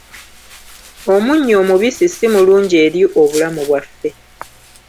Omunnyo omubisi si mulungi eri obulamu bwaffe.